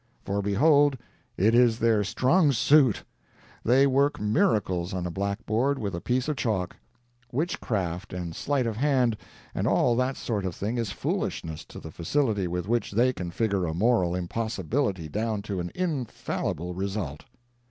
For behold, it is their strong suit. They work miracles on a black board with a piece of chalk. Witchcraft and sleight of hand, and all that sort of thing is foolishness to the facility with which they can figure a moral impossibility down to an infallible result.